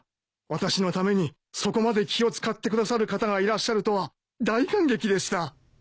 私のためにそこまで気を使ってくださる方がいらっしゃるとは大感激でした。